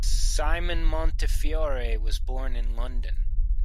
Simon Montefiore was born in London.